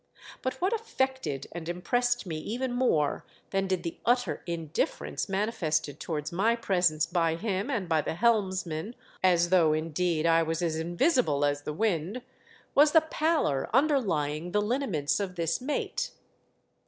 But what affected and impressed me even more than did the utter indifference mani fested towards my presence by him and by the helmsman — as though, indeed, I was as invisible as the wind — was the pallor under lying the lineaments of this mate.